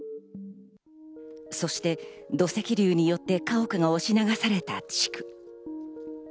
そして土石流によって家屋が押し流された地区。